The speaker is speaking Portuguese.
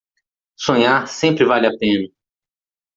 Sonhar sempre vale a pena